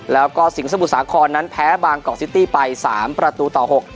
แล้วก็สิงห์สมุทรสาครนั้นแพ้บางกอกซิตี้ไป๓ประตูต่อ๖